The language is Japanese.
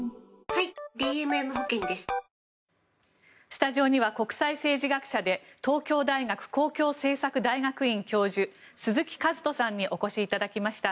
スタジオには国際政治学者で東京大学公共政策大学院教授鈴木一人さんにお越しいただきました。